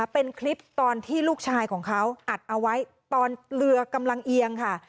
เป็นคลิปตอนที่ลูกชายของเขาอัดเอาไว้ตอนเรือกำลังเอียงค่ะ